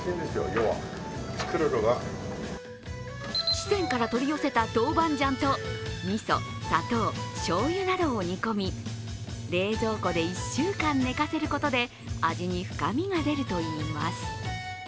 四川から取り寄せたトウバンジャンとみそ、砂糖、しょうゆなどを煮込み冷蔵庫で１週間寝かせることで味に深みが出るといいます。